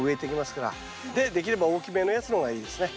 できれば大きめのやつの方がいいですね。